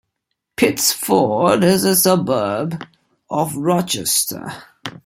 Pittsford is a suburb of Rochester.